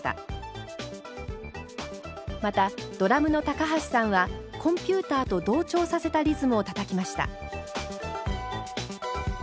またドラムの高橋さんはコンピューターと同調させたリズムをたたきました。